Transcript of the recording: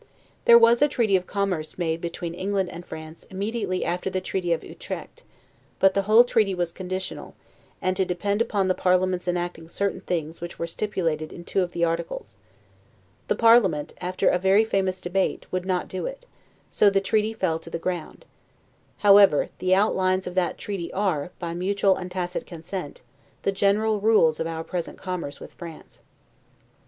There was a treaty of commerce made between England and France, immediately after the treaty of Utrecht; but the whole treaty was conditional, and to depend upon the parliament's enacting certain things which were stipulated in two of the articles; the parliament, after a very famous debate, would not do it; so the treaty fell to the ground: however, the outlines of that treaty are, by mutual and tacit consent, the general rules of our present commerce with France.